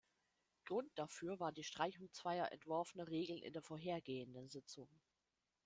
Grund dafür war die Streichung zweier entworfener Regeln in der vorhergehenden Sitzung.